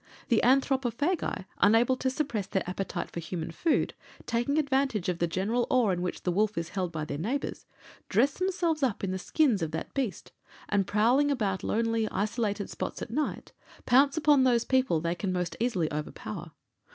The anthropophagi, unable to suppress their appetite for human food, taking advantage of the general awe in which the wolf is held by their neighbours, dress themselves up in the skins of that beast, and prowling about lonely, isolated spots at night, pounce upon those people they can most easily overpower.